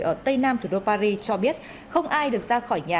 ở tây nam thủ đô paris cho biết không ai được ra khỏi nhà